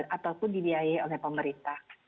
ataupun dibiayai oleh pemerintah